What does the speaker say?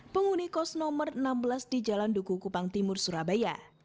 penghuni kos nomor enam belas di jalan duku kupang timur surabaya